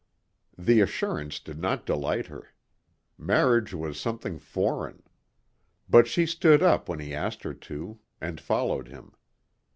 The assurance did not delight her. Marriage was something foreign. But she stood up when he asked her to and followed him.